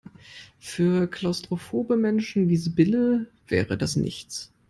Für klaustrophobe Menschen wie Sibylle wäre das nichts.